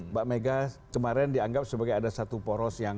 mbak mega kemarin dianggap sebagai ada satu perang